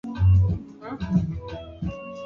ndio maana tuliweza kualika hata wengine wa